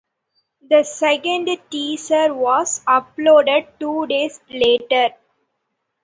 The second teaser was uploaded two days later.